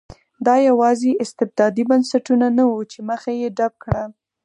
دا یوازې استبدادي بنسټونه نه وو چې مخه یې ډپ کړه.